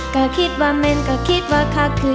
กะคิดว่าเม่นกะคิดว่าขาคืน